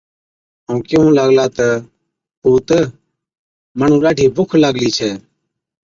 ائُون ڪيهُون لاگلا تہ، پُوت، مُنُون ڏاڍِي بُک لاگلِي ڇَي،